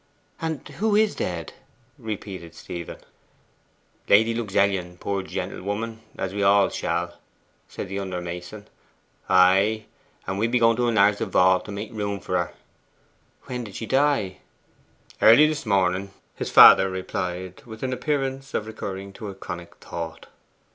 'And who is dead?' Stephen repeated. 'Lady Luxellian, poor gentlewoman, as we all shall, said the under mason. 'Ay, and we be going to enlarge the vault to make room for her.' 'When did she die?' 'Early this morning,' his father replied, with an appearance of recurring to a chronic thought.